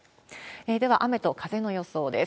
では雨と風の予想です。